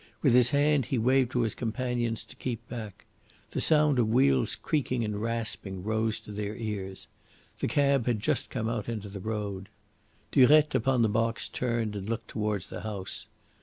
With his hand he waved to his companions to keep back. The sound of wheels creaking and rasping rose to their ears. The cab had just come out into the road. Durette upon the box turned and looked towards the house.